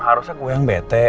harusnya gue yang bete